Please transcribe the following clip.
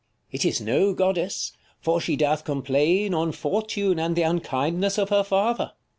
King. It is no goddess ; for she doth complain On Fortune, and th* unkindness of her father, 30 Cor.